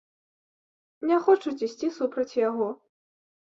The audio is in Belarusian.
Не хочуць ісці супраць яго.